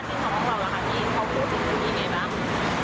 ญาติของเราเหรอคะพี่เขาพูดถึงคุณอย่างไรบ้าง